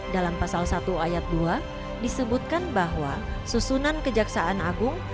dalam pasal satu ayat dua disebutkan bahwa susunan kejaksaan agung